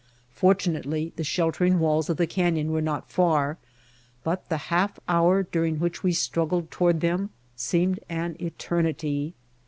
Fortunately the sheltering walls of the canyon were not far, but the half hour during which we struggled toward them seemed an eternity.